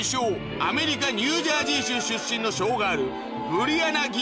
アメリカニュージャージー州出身のショーガールブリアナ・ギガンテ